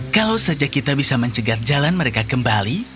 kalau saja kita bisa mencegah jalan mereka kembali